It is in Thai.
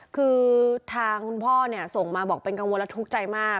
คือทางคุณพ่อเนี่ยส่งมาบอกเป็นกังวลและทุกข์ใจมาก